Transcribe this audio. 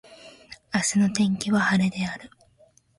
明日の天気は晴れである。